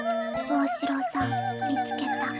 大城さん見つけた。